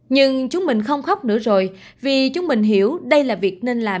nhưng chúng mình không khóc nữa rồi vì chúng mình hiểu đây là việc nên làm